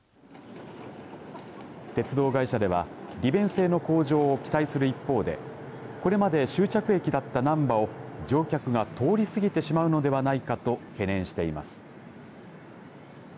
鉄道会社では利便性の向上を期待する一方でこれまで終着駅だったなんばを乗客が通り過ぎてしまうのではないかと懸念しています。